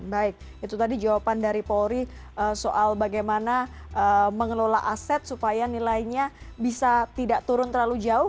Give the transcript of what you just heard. baik itu tadi jawaban dari polri soal bagaimana mengelola aset supaya nilainya bisa tidak turun terlalu jauh